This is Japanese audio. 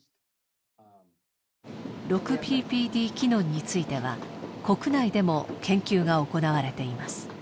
６ＰＰＤ−キノンについては国内でも研究が行われています。